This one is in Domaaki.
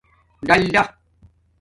ڈلڈا